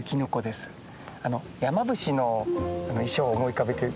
山伏の衣装を思い浮かべて頂くと